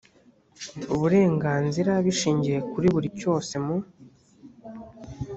uburenganzira bishingiye kuri buri cyose mu